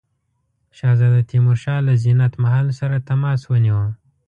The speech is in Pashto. شهزاده تیمورشاه له زینت محل سره تماس ونیو.